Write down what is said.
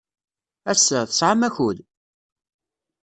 Ass-a, tesɛam akud?